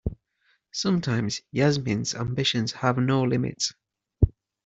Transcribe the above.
Sometimes Yasmin's ambitions have no limits.